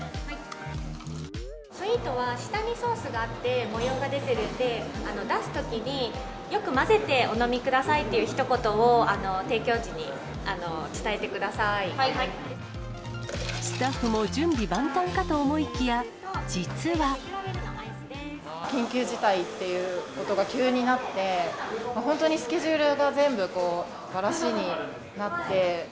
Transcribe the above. ソイートは下にソースがあって、模様が出てるんで、出すときに、よく混ぜてお飲みくださいというひと言を、提供時に伝えてくださスタッフも準備万端かと思い緊急事態ってことが急になって、本当にスケジュールが全部ばらしになって。